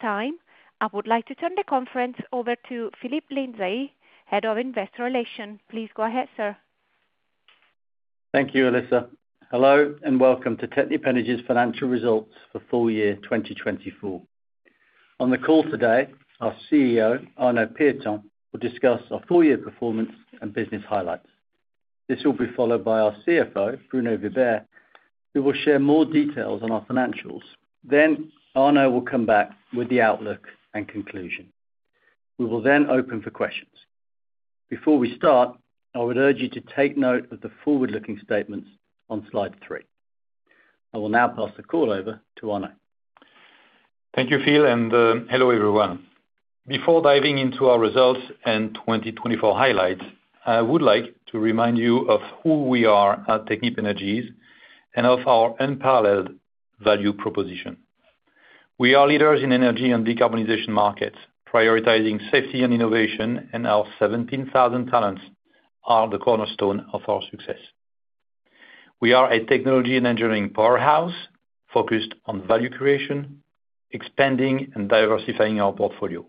At this time, I would like to turn the conference over to Phillip Lindsay, Head of Investor Relations. Please go ahead, sir. Thank you, Alyssa. Hello and welcome to Technip Energies' Financial Results For Full Year 2024. On the call today, our CEO, Arnaud Pieton, will discuss our full year performance and business highlights. This will be followed by our CFO, Bruno Vibert, who will share more details on our financials. Then Arnaud will come back with the outlook and conclusion. We will then open for questions. Before we start, I would urge you to take note of the forward-looking statements on slide three. I will now pass the call over to Arnaud. Thank you, Phil, and hello everyone. Before diving into our results and 2024 highlights, I would like to remind you of who we are at Technip Energies and of our unparalleled value proposition. We are leaders in energy and decarbonization markets, prioritizing safety and innovation, and our 17,000 talents are the cornerstone of our success. We are a technology and engineering powerhouse focused on value creation, expanding, and diversifying our portfolio.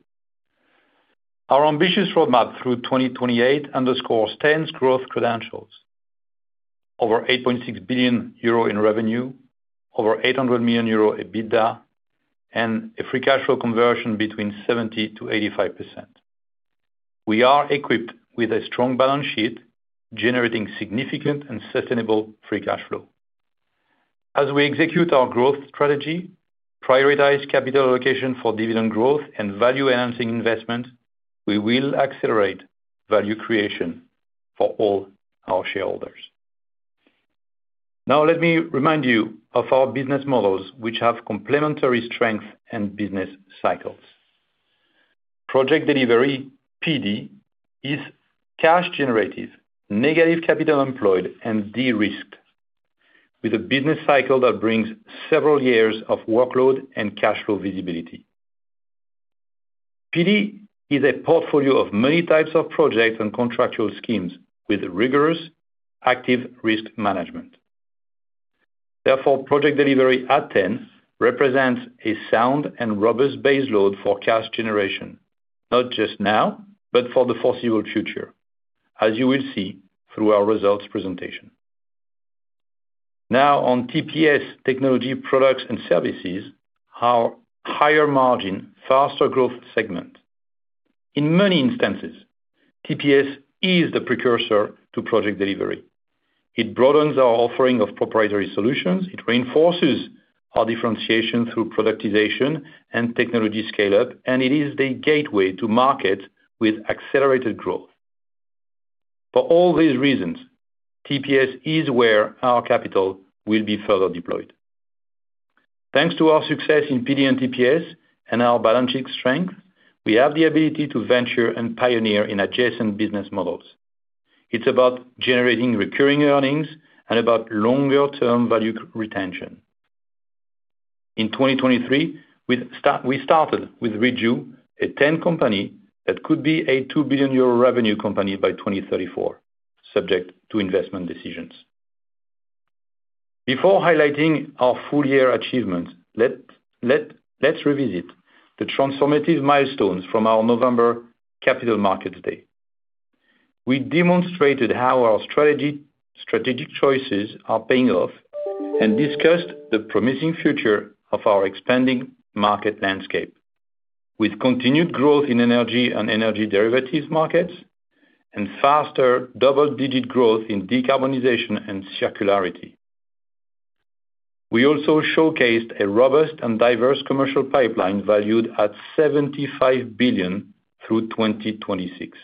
Our ambitious roadmap through 2028 underscores TEN growth credentials: over Euro 8.6 billion in revenue, over Euro 800 million EBITDA, and a free cash flow conversion between 70% to 85%. We are equipped with a strong balance sheet, generating significant and sustainable free cash flow. As we execute our growth strategy, prioritize capital allocation for dividend growth, and value-enhancing investment, we will accelerate value creation for all our shareholders. Now, let me remind you of our business models, which have complementary strengths and business cycles. Project Delivery, PD, is cash-generative, negative capital employed, and de-risked, with a business cycle that brings several years of workload and cash flow visibility. PD is a portfolio of many types of projects and contractual schemes with rigorous active risk management. Therefore, Project Delivery at TEN represents a sound and robust baseload for cash generation, not just now, but for the foreseeable future, as you will see through our results presentation. Now, on TPS, Technology, Products and Services, our higher margin, faster growth segment. In many instances, TPS is the precursor to Project Delivery. It broadens our offering of proprietary solutions. It reinforces our differentiation through productization and technology scale-up, and it is the gateway to markets with accelerated growth. For all these reasons, TPS is where our capital will be further deployed. Thanks to our success in PD and TPS and our balance sheet strength, we have the ability to venture and pioneer in adjacent business models. It's about generating recurring earnings and about longer-term value retention. In 2023, we started with Reju, a TEN company that could be a Euro 2 billion revenue company by 2034, subject to investment decisions. Before highlighting our full year achievements, let's revisit the transformative milestones from our November Capital Markets Day. We demonstrated how our strategic choices are paying off and discussed the promising future of our expanding market landscape, with continued growth in energy and energy derivatives markets and faster double-digit growth in decarbonization and circularity. We also showcased a robust and diverse commercial pipeline valued at Euro 75 billion through 2026.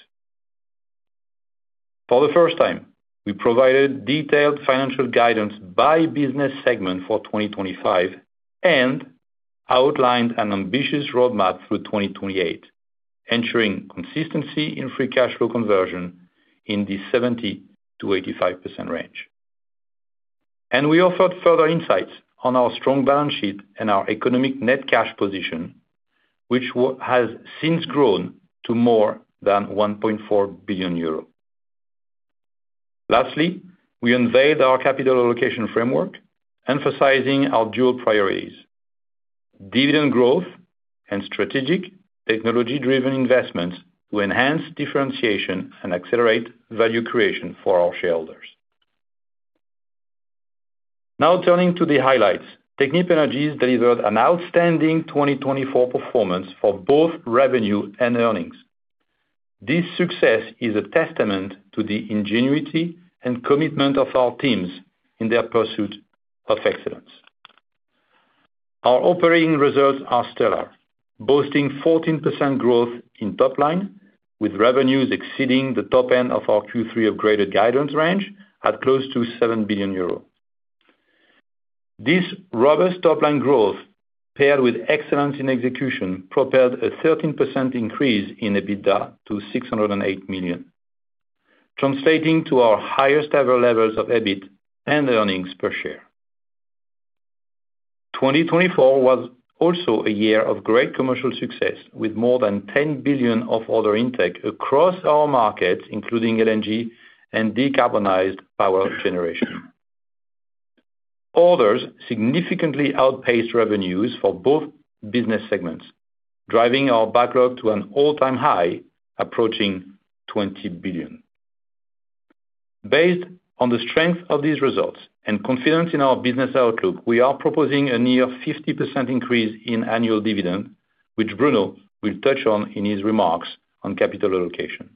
For the first time, we provided detailed financial guidance by business segment for 2025 and outlined an ambitious roadmap through 2028, ensuring consistency in free cash flow conversion in the 70% to 85% range. And we offered further insights on our strong balance sheet and our economic net cash position, which has since grown to more than Euro 1.4 billion. Lastly, we unveiled our capital allocation framework, emphasizing our dual priorities: dividend growth and strategic technology-driven investments to enhance differentiation and accelerate value creation for our shareholders. Now, turning to the highlights, Technip Energies delivered an outstanding 2024 performance for both revenue and earnings. This success is a testament to the ingenuity and commitment of our teams in their pursuit of excellence. Our operating results are stellar, boasting 14% growth in top line, with revenues exceeding the top end of our Q3 upgraded guidance range at close to Euro 7 billion. This robust top line growth, paired with excellence in execution, propelled a 13% increase in EBITDA to 608 million, translating to our highest-ever levels of EBIT and earnings per share. 2024 was also a year of great commercial success, with more than 10 billion of order intake across our markets, including LNG and decarbonized power generation. Orders significantly outpaced revenues for both business segments, driving our backlog to an all-time high approaching 20 billion. Based on the strength of these results and confidence in our business outlook, we are proposing a near 50% increase in annual dividend, which Bruno will touch on in his remarks on capital allocation.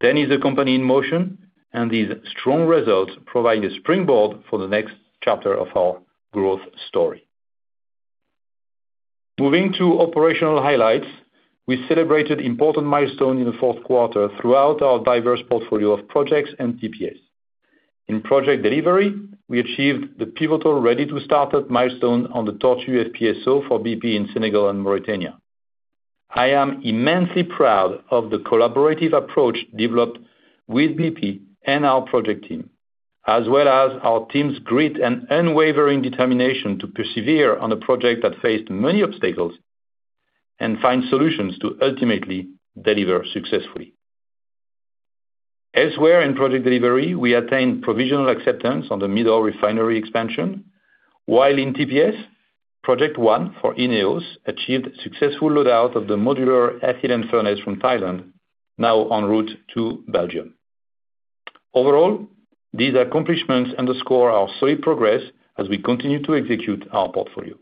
TEN is the company in motion, and these strong results provide a springboard for the next chapter of our growth story. Moving to operational highlights, we celebrated important milestones in the fourth quarter throughout our diverse portfolio of projects and TPS. In project delivery, we achieved the pivotal ready-to-startup milestone on the Tortue FPSO for BP in Senegal and Mauritania. I am immensely proud of the collaborative approach developed with BP and our project team, as well as our team's grit and unwavering determination to persevere on a project that faced many obstacles and find solutions to ultimately deliver successfully. Elsewhere in project delivery, we attained provisional acceptance on the Midor refinery expansion, while in TPS, Project One for INEOS achieved successful loadout of the modular ethylene furnace from Thailand, now en route to Belgium. Overall, these accomplishments underscore our solid progress as we continue to execute our portfolio.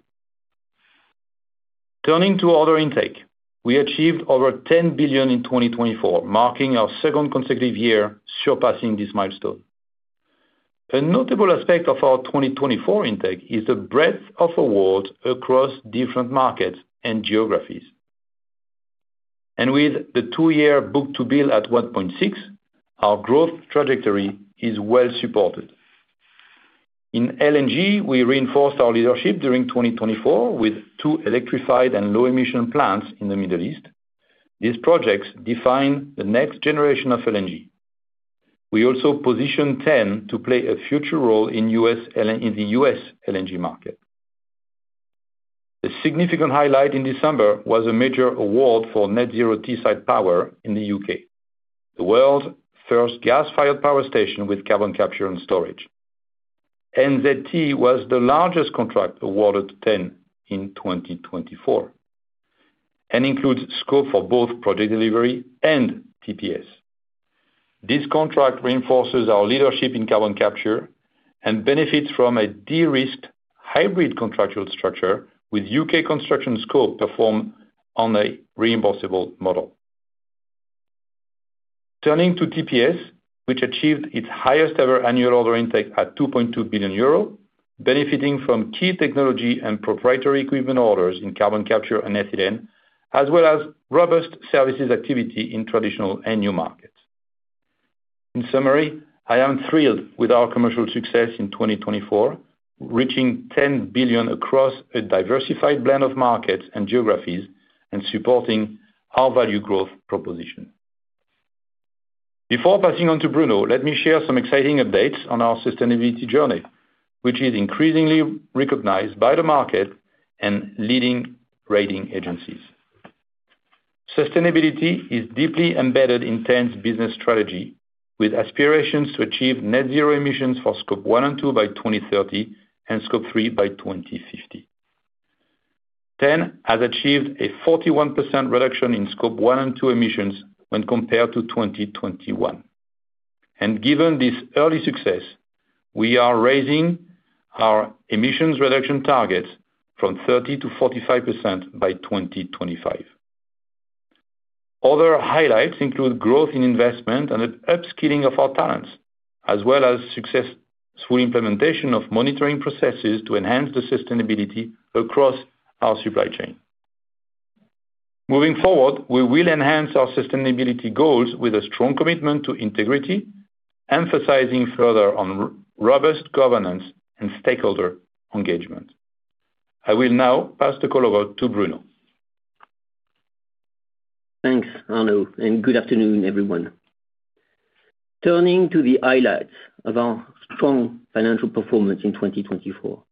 Turning to order intake, we achieved over 10 billion in 2024, marking our second consecutive year surpassing this milestone. A notable aspect of our 2024 intake is the breadth of awards across different markets and geographies. With the two-year book-to-bill at 1.6, our growth trajectory is well supported. In LNG, we reinforced our leadership during 2024 with two electrified and low-emission plants in the Middle East. These projects define the next generation of LNG. We also positioned TEN to play a future role in the US LNG market. A significant highlight in December was a major award for Net Zero Teesside Power in the UK, the world's first gas-fired power station with carbon capture and storage. NZT was the largest contract awarded to TEN in 2024 and includes scope for both Project Delivery and TPS. This contract reinforces our leadership in carbon capture and benefits from a de-risked hybrid contractual structure with UK construction scope performed on a reimbursable model. Turning to TPS, which achieved its highest-ever annual order intake at Euro 2.2 billion, benefiting from key technology and proprietary equipment orders in carbon capture and ethylene, as well as robust services activity in traditional and new markets. In summary, I am thrilled with our commercial success in 2024, reaching Euro 10 billion across a diversified blend of markets and geographies and supporting our value growth proposition. Before passing on to Bruno, let me share some exciting updates on our sustainability journey, which is increasingly recognized by the market and leading rating agencies. Sustainability is deeply embedded in TEN's business strategy, with aspirations to achieve net zero emissions for Scope 1 and 2 by 2030 and Scope 3 by 2050. TEN has achieved a 41% reduction in Scope 1 and 2 emissions when compared to 2021. Given this early success, we are raising our emissions reduction targets from 30% to 45% by 2025. Other highlights include growth in investment and an upskilling of our talents, as well as successful implementation of monitoring processes to enhance the sustainability across our supply chain. Moving forward, we will enhance our sustainability goals with a strong commitment to integrity, emphasizing further on robust governance and stakeholder engagement. I will now pass the call over to Bruno. Thanks, Arnaud, and good afternoon, everyone. Turning to the highlights of our strong financial performance in 2024,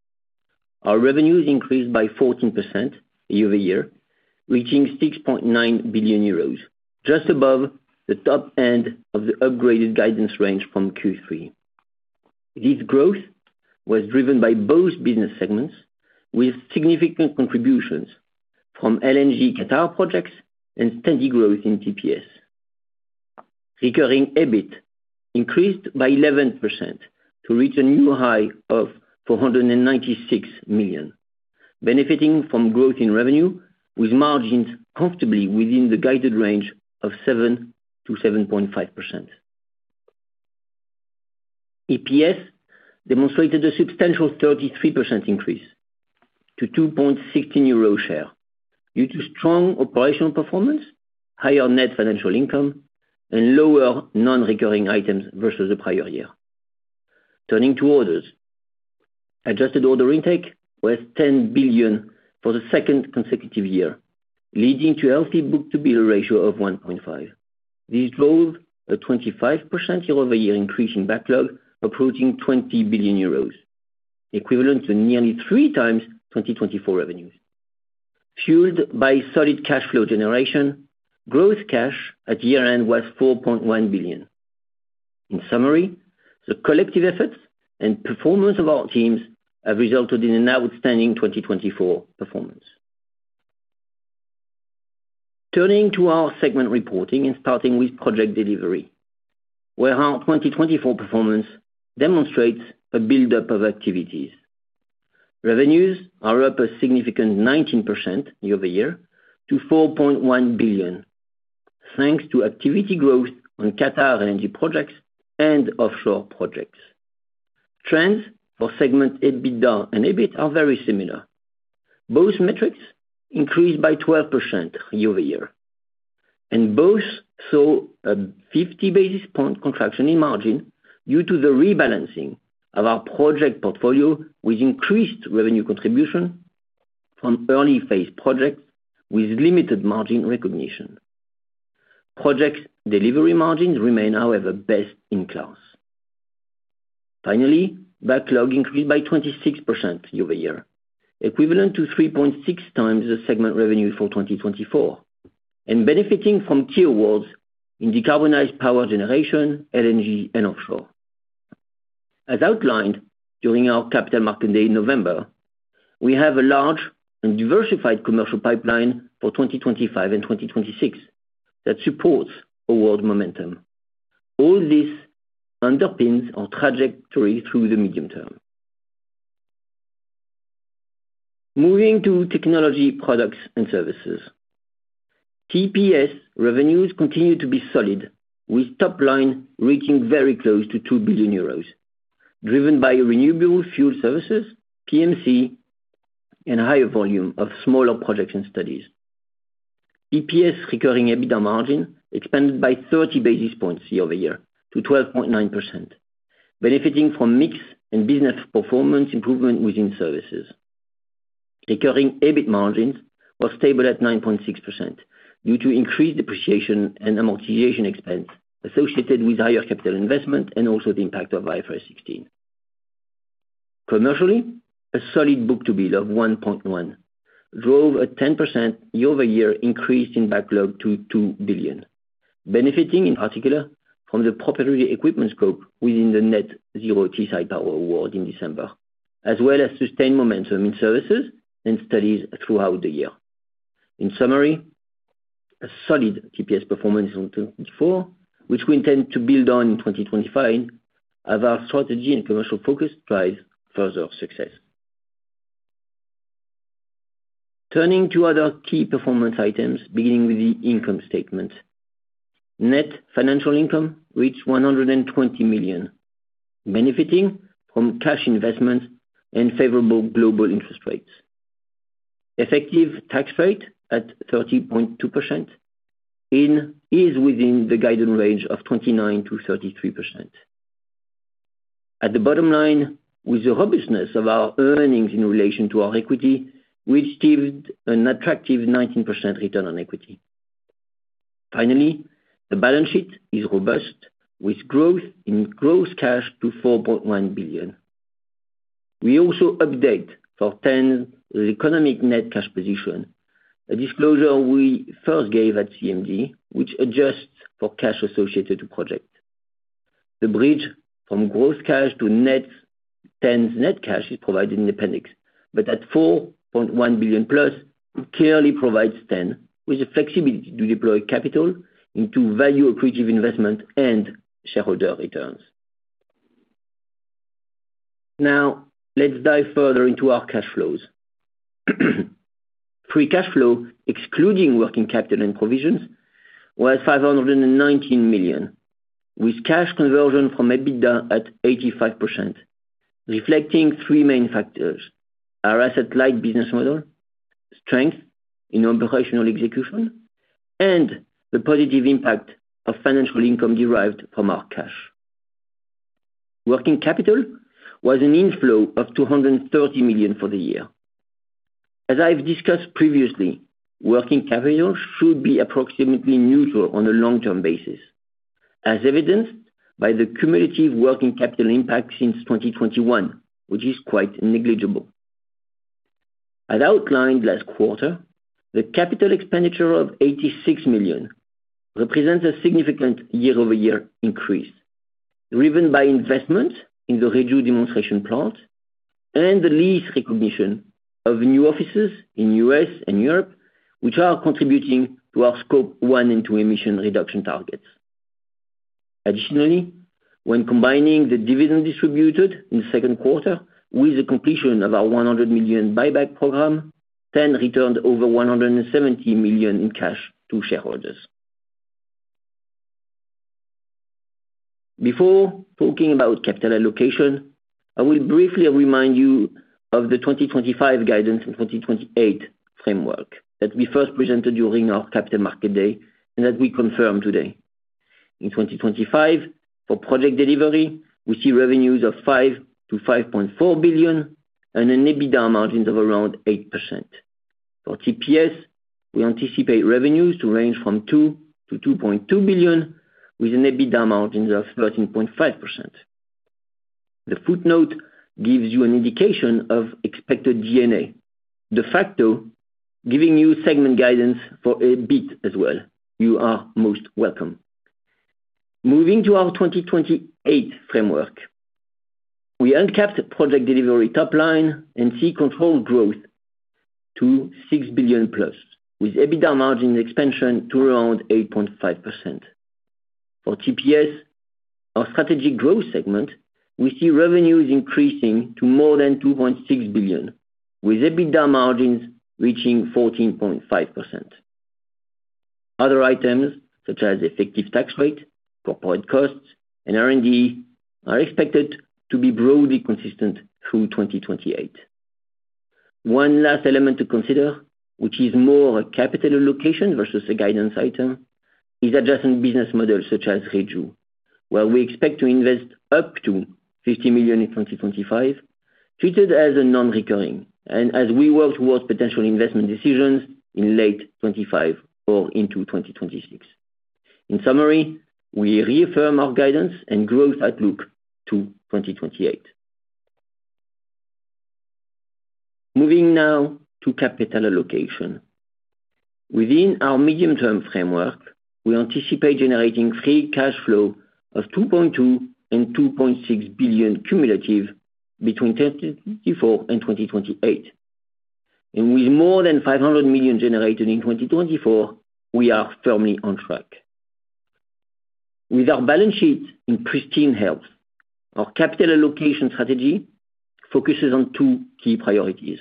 our revenues increased by 14% year over year, reaching Euro 6.9 billion, just above the top end of the upgraded guidance range from Q3. This growth was driven by both business segments, with significant contributions from LNG Qatar projects and steady growth in TPS. Recurring EBIT increased by 11% to reach a new high of Euro 496 million, benefiting from growth in revenue, with margins comfortably within the guided range of 7% to 7.5%. EPS demonstrated a substantial 33% increase to Euro 2.16 share due to strong operational performance, higher net financial income, and lower non-recurring items versus the prior year. Turning to orders, adjusted order intake was Euro 10 billion for the second consecutive year, leading to a healthy book-to-bill ratio of 1.5. This drove a 25% year-over-year increase in backlog, approaching Euro 20 billion, equivalent to nearly three times 2024 revenues. Fueled by solid cash flow generation, gross cash at year-end was Euro 4.1 billion. In summary, the collective efforts and performance of our teams have resulted in an outstanding 2024 performance. Turning to our segment reporting and starting with Project Delivery, where our 2024 performance demonstrates a build-up of activities. Revenues are up a significant 19% year over year to Euro 4.1 billion, thanks to activity growth on Qatar energy projects and offshore projects. Trends for segment EBITDA and EBIT are very similar. Both metrics increased by 12% year over year, and both saw a 50 basis point contraction in margin due to the rebalancing of our project portfolio with increased revenue contribution from early-phase projects with limited margin recognition. Project Delivery margins remain, however, best in class. Finally, backlog increased by 26% year over year, equivalent to 3.6 times the segment revenue for 2024, and benefiting from key awards in decarbonized power generation, LNG, and offshore. As outlined during our Capital Markets Day in November, we have a large and diversified commercial pipeline for 2025 and 2026 that supports award momentum. All this underpins our trajectory through the medium term. Moving to technology products and services, TPS revenues continue to be solid, with top line reaching very close to Euro 2 billion, driven by renewable fuel services, PMC, and a higher volume of smaller projects and studies. TPS recurring EBITDA margin expanded by 30 basis points year over year to 12.9%, benefiting from mixed and business performance improvement within services. Recurring EBIT margins were stable at 9.6% due to increased depreciation and amortization expense associated with higher capital investment and also the impact of IFRS 16. Commercially, a solid book-to-bill of 1.1 drove a 10% year-over-year increase in backlog to Euro 2 billion, benefiting in particular from the proprietary equipment scope within the Net Zero Teesside Power award in December, as well as sustained momentum in services and studies throughout the year. In summary, a solid TPS performance in 2024, which we intend to build on in 2025, as our strategy and commercial focus drives further success. Turning to other key performance items, beginning with the income statement, net financial income reached Euro 120 million, benefiting from cash investments and favorable global interest rates. Effective tax rate at 30.2% is within the guidance range of 29% to 33%. At the bottom line, with the robustness of our earnings in relation to our equity, we achieved an attractive 19% return on equity. Finally, the balance sheet is robust, with growth in gross cash to Euro 4.1 billion. We also update for TEN the economic net cash position, a disclosure we first gave at CMD, which adjusts for cash associated to projects. The bridge from gross cash to TEN's net cash is provided in the appendix, but at 4.1 billion plus, it clearly provides TEN with the flexibility to deploy capital into value-accretive investment and shareholder returns. Now, let's dive further into our cash flows. Free cash flow, excluding working capital and provisions, was 519 million, with cash conversion from EBITDA at 85%, reflecting three main factors: our asset-like business model, strength in operational execution, and the positive impact of financial income derived from our cash. Working capital was an inflow of 230 million for the year. As I've discussed previously, working capital should be approximately neutral on a long-term basis, as evidenced by the cumulative working capital impact since 2021, which is quite negligible. As outlined last quarter, the capital expenditure of 86 million represents a significant year-over-year increase, driven by investment in the Reju demonstration plant and the lease recognition of new offices in the US and Europe, which are contributing to our Scope 1 and 2 emission reduction targets. Additionally, when combining the dividend distributed in the second quarter with the completion of our 100 million buyback program, TEN returned over 170 million in cash to shareholders. Before talking about capital allocation, I will briefly remind you of the 2025 guidance and 2028 framework that we first presented during our Capital Markets Day and that we confirm today. In 2025, for project delivery, we see revenues of 5 to 5.4 billion and an EBITDA margin of around 8%. For TPS, we anticipate revenues to range from 2 to 2.2 billion, with an EBITDA margin of 13.5%. The footnote gives you an indication of expected G&A, de facto, giving you segment guidance for EBIT as well. You are most welcome. Moving to our 2028 framework, we uncapped Project Delivery top line and see controlled growth to Euro 6 billion plus, with EBITDA margin expansion to around 8.5%. For TPS, our strategic growth segment, we see revenues increasing to more than Euro 2.6 billion, with EBITDA margins reaching 14.5%. Other items, such as effective tax rate, corporate costs, and R&D, are expected to be broadly consistent through 2028. One last element to consider, which is more a capital allocation versus a guidance item, is adjacent business models such as Reju, where we expect to invest up to Euro 50 million in 2025, treated as a non-recurring, and as we work towards potential investment decisions in late 2025 or into 2026. In summary, we reaffirm our guidance and growth outlook to 2028. Moving now to capital allocation. Within our medium-term framework, we anticipate generating free cash flow of Euro 2.2 billion and Euro 2.6 billion cumulative between 2024 and 2028, and with more than Euro 500 million generated in 2024, we are firmly on track. With our balance sheet in pristine health, our capital allocation strategy focuses on two key priorities.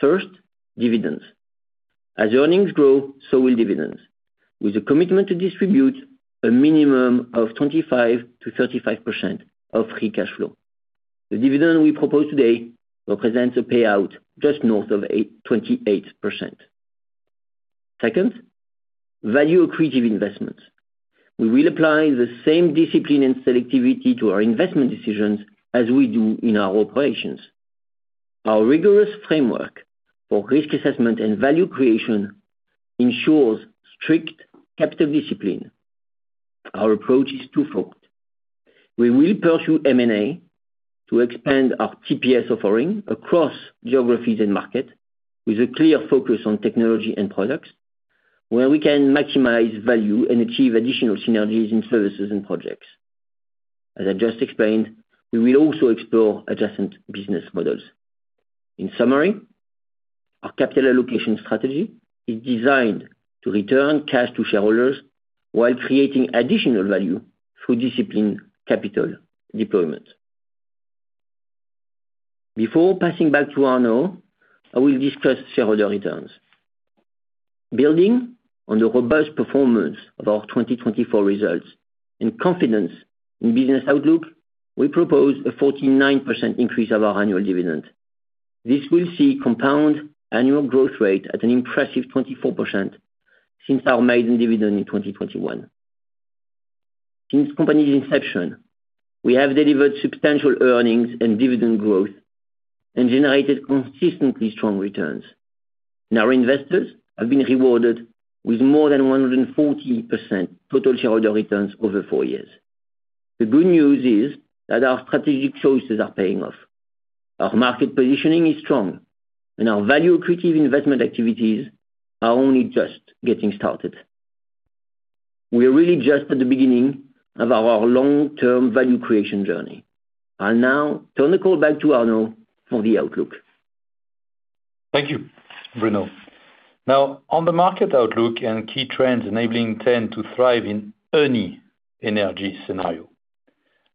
First, dividends. As earnings grow, so will dividends, with a commitment to distribute a minimum of 25% to 35% of free cash flow. The dividend we propose today represents a payout just north of 28%. Second, value-accretive investments. We will apply the same discipline and selectivity to our investment decisions as we do in our operations. Our rigorous framework for risk assessment and value creation ensures strict capital discipline. Our approach is twofold. We will pursue M&A to expand our TPS offering across geographies and markets, with a clear focus on technology and products, where we can maximize value and achieve additional synergies in services and projects. As I just explained, we will also explore adjacent business models. In summary, our capital allocation strategy is designed to return cash to shareholders while creating additional value through disciplined capital deployment. Before passing back to Arnaud, I will discuss shareholder returns. Building on the robust performance of our 2024 results and confidence in business outlook, we propose a 49% increase of our annual dividend. This will see compound annual growth rate at an impressive 24% since our maiden dividend in 2021. Since company's inception, we have delivered substantial earnings and dividend growth and generated consistently strong returns. Our investors have been rewarded with more than 140% total shareholder returns over four years. The good news is that our strategic choices are paying off. Our market positioning is strong, and our value-accretive investment activities are only just getting started. We are really just at the beginning of our long-term value creation journey. I'll now turn the call back to Arnaud for the outlook. Thank you, Bruno. Now, on the market outlook and key trends enabling TEN to thrive in any energy scenario.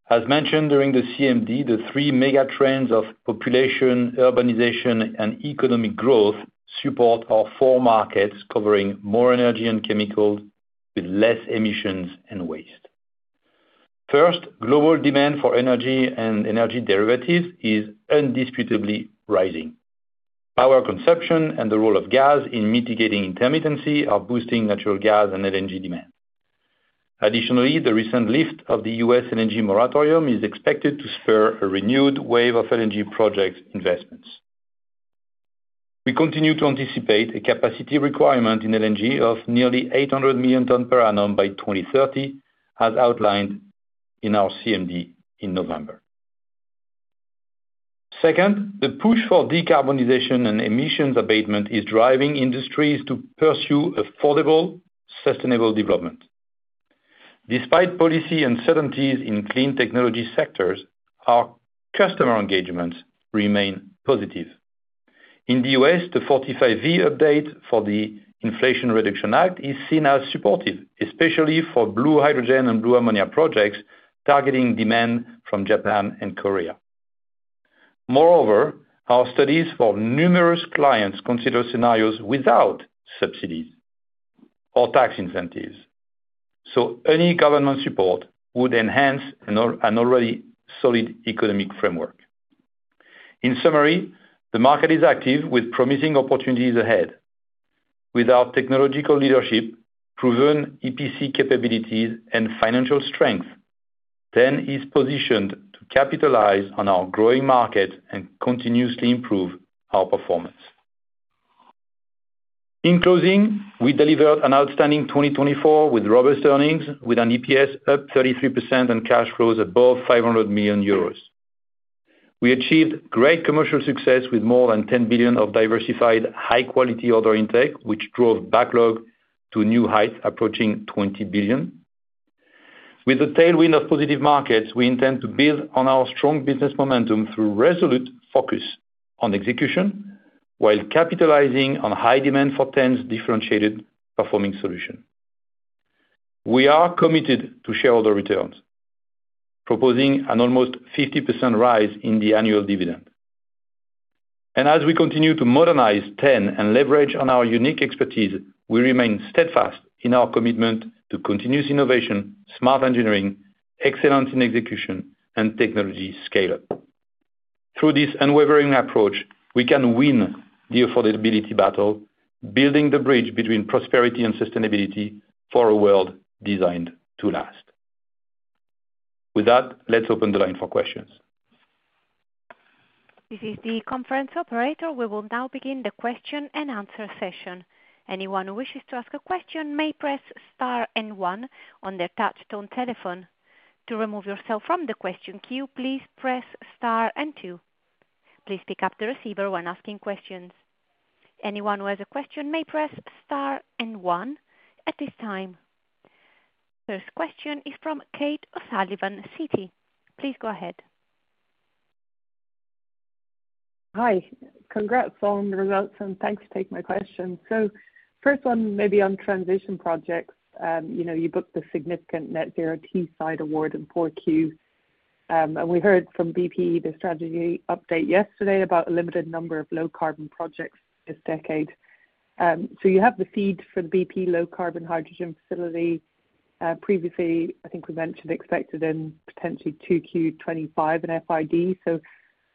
As mentioned during the CMD, the three mega trends of population, urbanization, and economic growth support our four markets covering more energy and chemicals with less emissions and waste. First, global demand for energy and energy derivatives is indisputably rising. Power consumption and the role of gas in mitigating intermittency are boosting natural gas and LNG demand. Additionally, the recent lift of the US LNG moratorium is expected to spur a renewed wave of LNG project investments. We continue to anticipate a capacity requirement in LNG of nearly 800 million tons per annum by 2030, as outlined in our CMD in November. Second, the push for decarbonization and emissions abatement is driving industries to pursue affordable, sustainable development. Despite policy uncertainties in clean technology sectors, our customer engagements remain positive. In the US, the 45V update for the Inflation Reduction Act is seen as supportive, especially for blue hydrogen and blue ammonia projects targeting demand from Japan and Korea. Moreover, our studies for numerous clients consider scenarios without subsidies or tax incentives, so any government support would enhance an already solid economic framework. In summary, the market is active with promising opportunities ahead. With our technological leadership, proven EPC capabilities, and financial strength, TEN is positioned to capitalize on our growing market and continuously improve our performance. In closing, we delivered an outstanding 2024 with robust earnings, with an EPS up 33% and cash flows above Euro 500 million. We achieved great commercial success with more than Euro 10 billion of diversified high-quality order intake, which drove backlog to new heights approaching Euro 20 billion. With the tailwind of positive markets, we intend to build on our strong business momentum through resolute focus on execution while capitalizing on high demand for TEN's differentiated performing solution. We are committed to shareholder returns, proposing an almost 50% rise in the annual dividend. And as we continue to modernize TEN and leverage on our unique expertise, we remain steadfast in our commitment to continuous innovation, smart engineering, excellence in execution, and technology scale-up. Through this unwavering approach, we can win the affordability battle, building the bridge between prosperity and sustainability for a world designed to last. With that, let's open the line for questions. This is the conference operator. We will now begin the question and answer session. Anyone who wishes to ask a question may press star and one on their touch-tone telephone. To remove yourself from the question queue, please press star and two. Please pick up the receiver when asking questions. Anyone who has a question may press star and one at this time. First question is from Kate O'Sullivan, Citi. Please go ahead. Hi. Congrats on the results, and thanks for taking my question. So first one, maybe on transition projects. You booked the significant Net Zero Teesside Award in 4Q. And we heard from BP, the strategy update yesterday, about a limited number of low-carbon projects this decade. So you have the FEED for the BP low-carbon hydrogen facility. Previously, I think we mentioned expected in potentially 2Q25 and FID.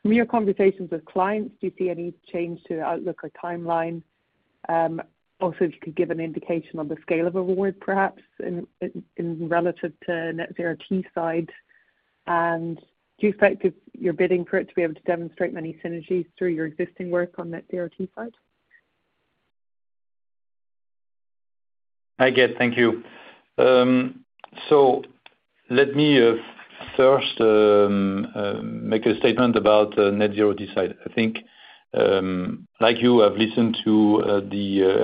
From your conversations with clients, do you see any change to the outlook or timeline? Also, if you could give an indication on the scale of the award, perhaps, relative to Net Zero Teesside. Do you expect your bidding for it to be able to demonstrate many synergies through your existing work on Net Zero Teesside? Hi, Kate. Thank you. Let me first make a statement about Net Zero Teesside. I think, like you, I've listened to and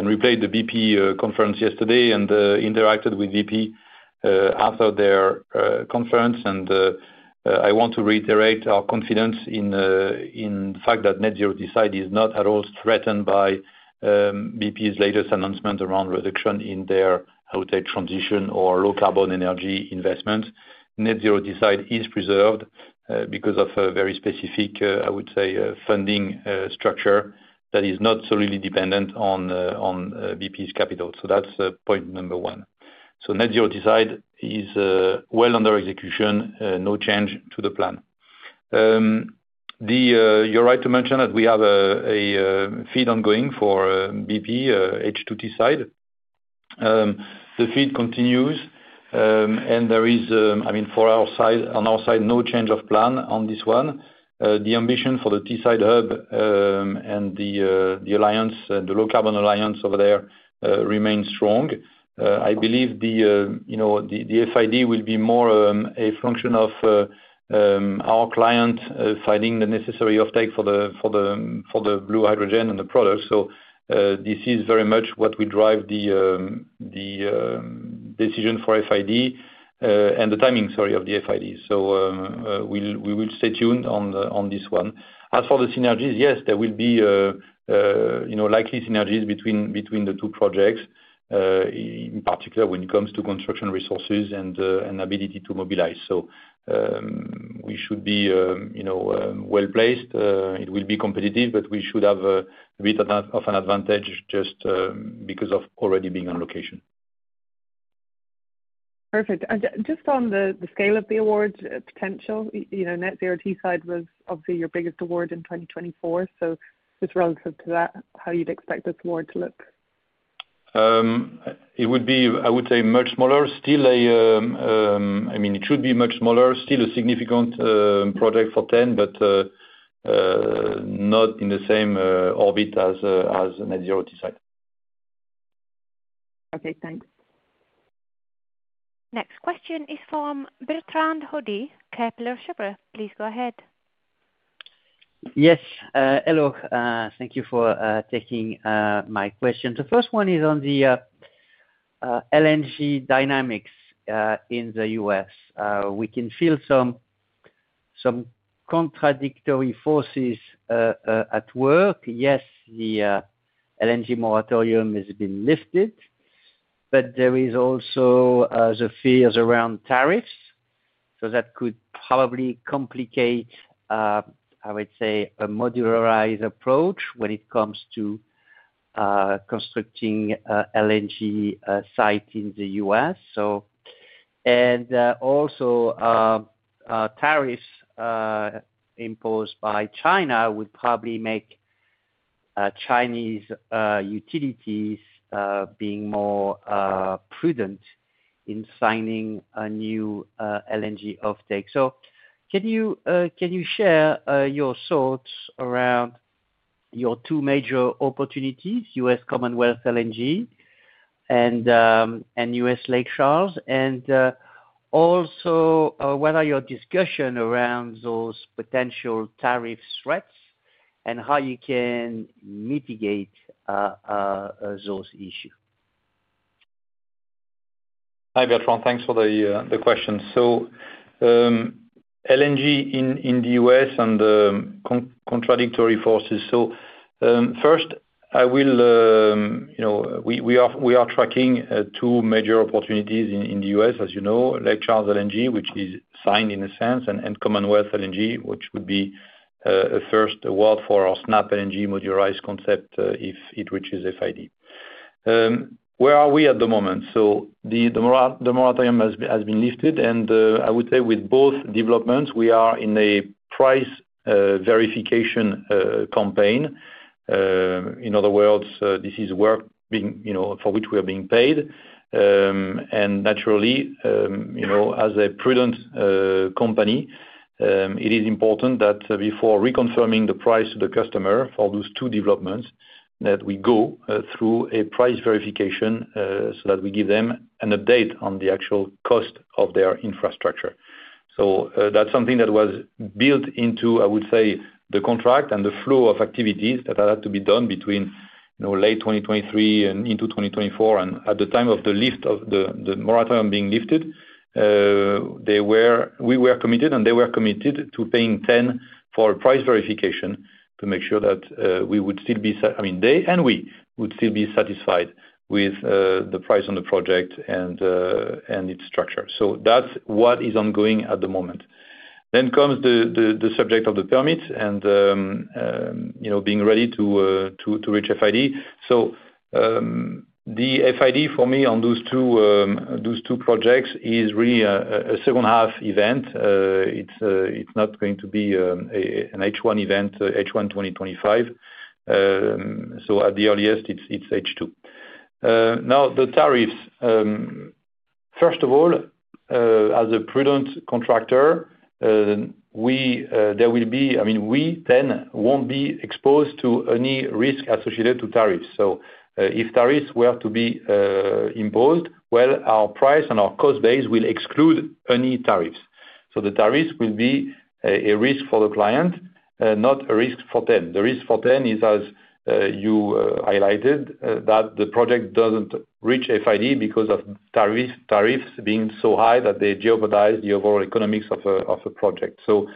replayed the BP conference yesterday and interacted with BP after their conference. I want to reiterate our confidence in the fact that Net Zero Teesside is not at all threatened by BP's latest announcement around reduction in their net zero transition or low-carbon energy investment. Net Zero Teesside is preserved because of a very specific, I would say, funding structure that is not solely dependent on BP's capital. So that's point number one. So Net Zero Teesside is well under execution, no change to the plan. You're right to mention that we have a FEED ongoing for BP H2Teesside. The FEED continues, and there is, I mean, on our side, no change of plan on this one. The ambition for the Teesside Hub and the low-carbon alliance over there remains strong. I believe the FID will be more a function of our client finding the necessary offtake for the blue hydrogen and the products. So this is very much what will drive the decision for FID and the timing, sorry, of the FID. So we will stay tuned on this one. As for the synergies, yes, there will be likely synergies between the two projects, in particular when it comes to construction resources and ability to mobilize. So we should be well placed. It will be competitive, but we should have a bit of an advantage just because of already being on location. Perfect. Just on the scale of the award potential, Net Zero Teesside was obviously your biggest award in 2024. So just relative to that, how you'd expect this award to look? It would be, I would say, much smaller. I mean, it should be much smaller. Still a significant project for TEN, but not in the same orbit as Net Zero Teesside. Okay. Thanks. Next question is from Bertrand Hodee, Kepler Cheuvreux. Please go ahead. Yes. Hello. Thank you for taking my question. The first one is on the LNG dynamics in the US We can feel some contradictory forces at work. Yes, the LNG moratorium has been lifted, but there are also the fears around tariffs. So that could probably complicate, I would say, a modularized approach when it comes to constructing an LNG site in the US And also, tariffs imposed by China would probably make Chinese utilities be more prudent in signing a new LNG offtake. So can you share your thoughts around your two major opportunities, US Commonwealth LNG and US Lake Charles LNG? And also, what are your discussions around those potential tariff threats and how you can mitigate those issues? Hi, Bertrand. Thanks for the question. So LNG in the US and contradictory forces. First, we are tracking two major opportunities in the US, as you know, Lake Charles LNG, which is signed in a sense, and Commonwealth LNG, which would be a first award for our SnapLNG modularized concept if it reaches FID. Where are we at the moment? The moratorium has been lifted. I would say with both developments, we are in a price verification campaign. In other words, this is work for which we are being paid. Naturally, as a prudent company, it is important that before reconfirming the price to the customer for those two developments, we go through a price verification so that we give them an update on the actual cost of their infrastructure. So that's something that was built into, I would say, the contract and the flow of activities that had to be done between late 2023 and into 2024. And at the time of the moratorium being lifted, we were committed, and they were committed to paying TEN for price verification to make sure that we would still be, I mean, they and we would still be satisfied with the price on the project and its structure. So that's what is ongoing at the moment. Then comes the subject of the permit and being ready to reach FID. So the FID, for me, on those two projects is really a second-half event. It's not going to be an H1 event, H1 2025. So at the earliest, it's H2. Now, the tariffs. First of all, as a prudent contractor, there will be, I mean, we then won't be exposed to any risk associated with tariffs. So if tariffs were to be imposed, well, our price and our cost base will exclude any tariffs. So the tariffs will be a risk for the client, not a risk for TEN. The risk for TEN is, as you highlighted, that the project doesn't reach FID because of tariffs being so high that they jeopardize the overall economics of the project. So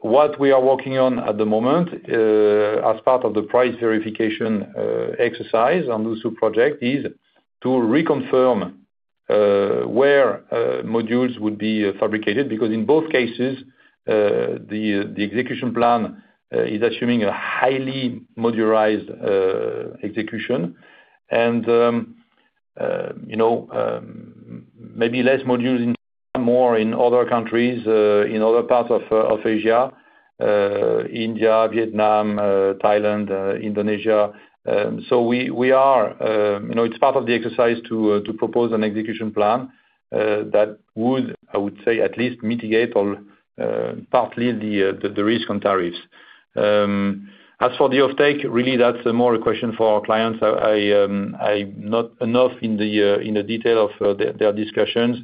what we are working on at the moment as part of the price verification exercise on those two projects is to reconfirm where modules would be fabricated because in both cases, the execution plan is assuming a highly modularized execution and maybe less modules in China, more in other countries, in other parts of Asia: India, Vietnam, Thailand, Indonesia. So, we are. It's part of the exercise to propose an execution plan that would, I would say, at least mitigate or partly the risk on tariffs. As for the offtake, really, that's more a question for our clients. I'm not enough in the detail of their discussions.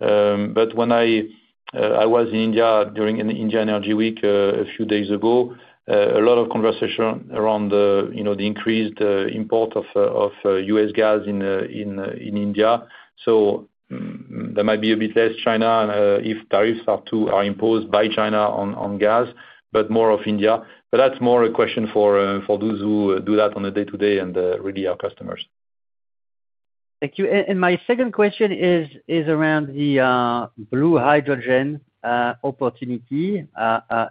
But when I was in India during an India Energy Week a few days ago, a lot of conversation around the increased import of US gas in India. So there might be a bit less China if tariffs are imposed by China on gas, but more of India. But that's more a question for those who do that on a day-to-day and really our customers. Thank you, and my second question is around the blue hydrogen opportunity,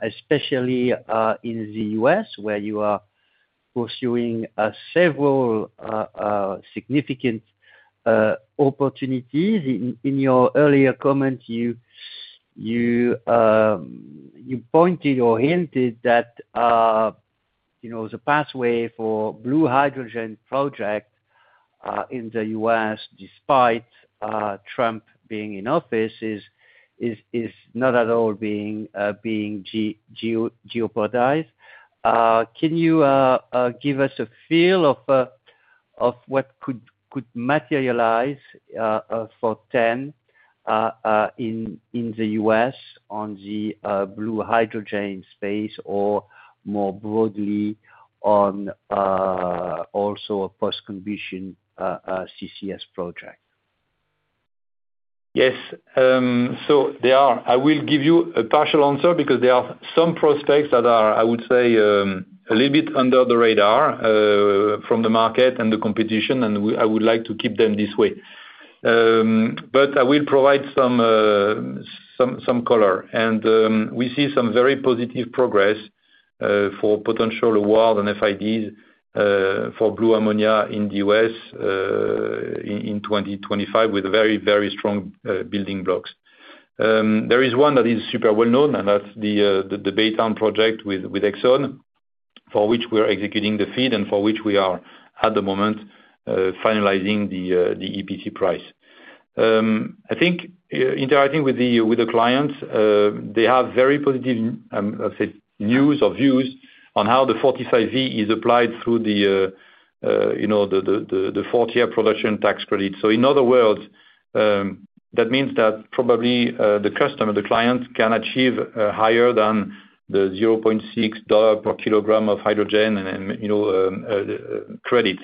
especially in the US, where you are pursuing several significant opportunities. In your earlier comment, you pointed or hinted that the pathway for blue hydrogen projects in the US, despite Trump being in office, is not at all being jeopardized. Can you give us a feel of what could materialize for TEN in the US on the blue hydrogen space or more broadly on also a post-combustion CCS project? Yes. So I will give you a partial answer because there are some prospects that are, I would say, a little bit under the radar from the market and the competition, and I would like to keep them this way. But I will provide some color, and we see some very positive progress for potential awards and FIDs for blue ammonia in the US in 2025 with very, very strong building blocks. There is one that is super well-known, and that's the Baytown project with Exxon, for which we're executing the FEED and for which we are, at the moment, finalizing the EPC price. I think interacting with the clients, they have very positive news or views on how the 45V is applied through the 4-year production tax credit. So in other words, that means that probably the customer, the client, can achieve higher than the $0.6 per kilogram of hydrogen credit.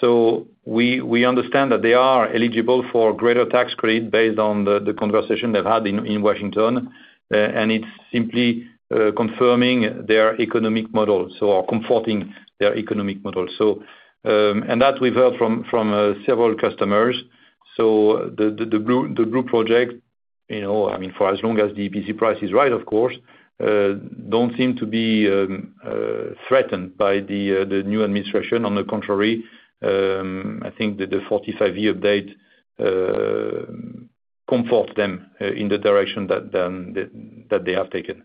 So we understand that they are eligible for a greater tax credit based on the conversation they've had in Washington, and it's simply confirming their economic model, so comforting their economic model. And that we've heard from several customers. So the blue project, I mean, for as long as the EPC price is right, of course, don't seem to be threatened by the new administration. On the contrary, I think the 45V update comforts them in the direction that they have taken.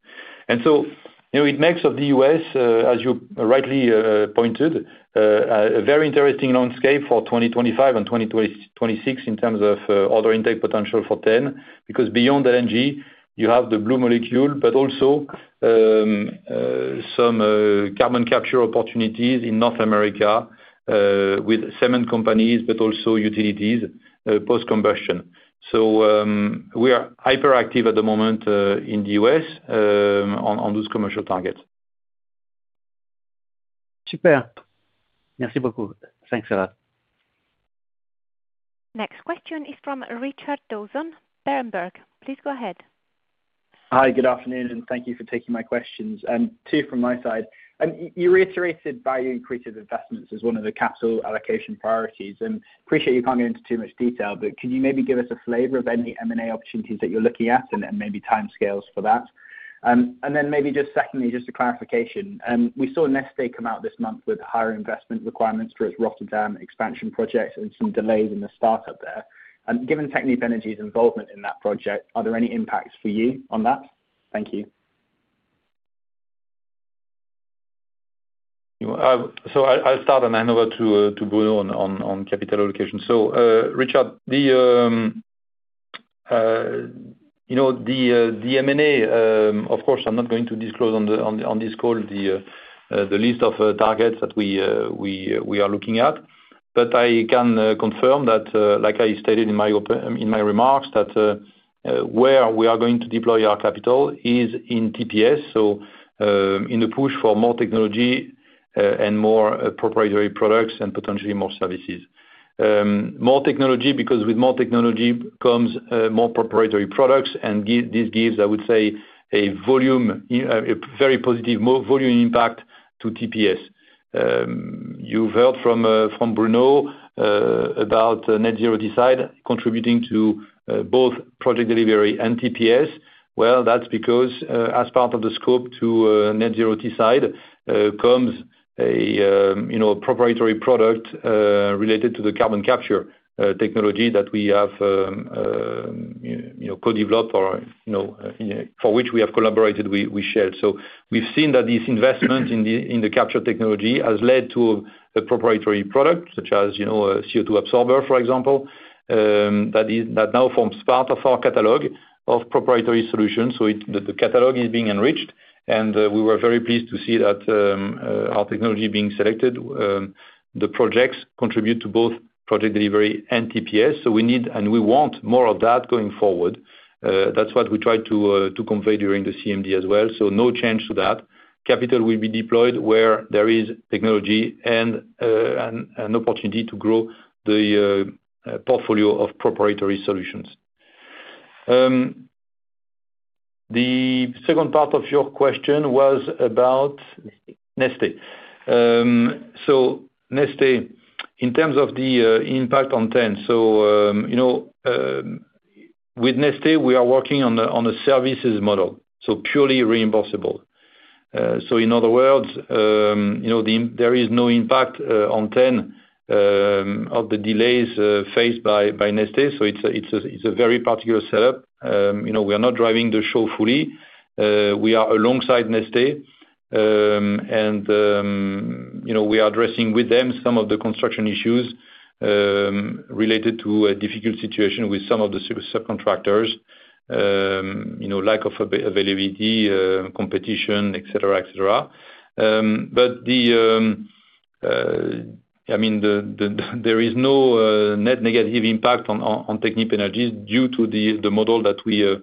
And so it makes of the US, as you rightly pointed, a very interesting landscape for 2025 and 2026 in terms of order intake potential for TEN because beyond LNG, you have the blue molecule, but also some carbon capture opportunities in North America with cement companies, but also utilities post-combustion. So we are hyperactive at the moment in the US on those commercial targets. Super. Merci beaucoup. Thanks, Arnaud. Next question is from Richard Dawson, Berenberg. Please go ahead. Hi, good afternoon, and thank you for taking my questions. And two from my side. You reiterated value-inclusive investments as one of the capital allocation priorities. Appreciate you can't get into too much detail, but could you maybe give us a flavor of any M&A opportunities that you're looking at and maybe timescales for that? And then maybe just secondly, just a clarification. We saw Neste come out this month with higher investment requirements for its Rotterdam expansion project and some delays in the startup there. Given Technip Energies' involvement in that project, are there any impacts for you on that? Thank you. So I'll start and then over to Bruno on capital allocation. So Richard, the M&A, of course, I'm not going to disclose on this call the list of targets that we are looking at. But I can confirm that, like I stated in my remarks, that where we are going to deploy our capital is in TPS, so in the push for more technology and more proprietary products and potentially more services. More technology because with more technology comes more proprietary products, and this gives, I would say, a very positive volume impact to TPS. You've heard from Bruno about Net Zero Teesside contributing to both Project Delivery and TPS. Well, that's because as part of the scope to Net Zero Teesside comes a proprietary product related to the carbon capture technology that we have co-developed or for which we have collaborated with Shell. So we've seen that this investment in the capture technology has led to a proprietary product such as a CO2 absorber, for example, that now forms part of our catalog of proprietary solutions. So the catalog is being enriched, and we were very pleased to see that our technology being selected. The projects contribute to both Project Delivery and TPS. So we need and we want more of that going forward. That's what we tried to convey during the CMD as well. So no change to that. Capital will be deployed where there is technology and an opportunity to grow the portfolio of proprietary solutions. The second part of your question was about Neste. So Neste, in terms of the impact on TEN, so with Neste, we are working on a services model, so purely reimbursable. So in other words, there is no impact on TEN of the delays faced by Neste. So it's a very particular setup. We are not driving the show fully. We are alongside Neste, and we are addressing with them some of the construction issues related to a difficult situation with some of the subcontractors, lack of availability, competition, etc., etc. But I mean, there is no net negative impact on Technip Energies due to the model that we've